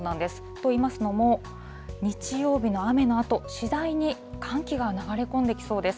といいますのも、日曜日の雨のあと、次第に寒気が流れ込んできそうです。